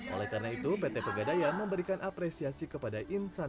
oleh karena itu pt pegadaian memberikan apresiasi kepada insan